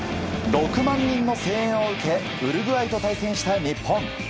６万人の声援を受けウルグアイと対戦した日本。